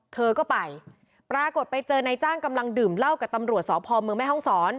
เธอก็ไปปรากฏไปเจอนายจ้างกำลังดื่มเหล้ากับตำรวจสพเมืองแม่ห้องศร